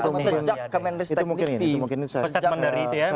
itu mungkin itu mungkin itu saya setelah mendari itu ya